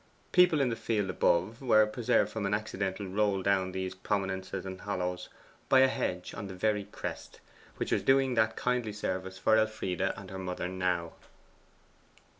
People in the field above were preserved from an accidental roll down these prominences and hollows by a hedge on the very crest, which was doing that kindly service for Elfride and her mother now.